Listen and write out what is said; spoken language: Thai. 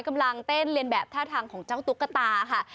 กำลังเต้นเรียนแบบท่าทางของเจ้าตุ๊กตาค่ะ